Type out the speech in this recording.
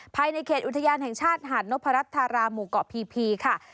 ภายในเขตอุทยานแห่งชาติหาดนพรัชธาราหมู่เกาะพีค่ะ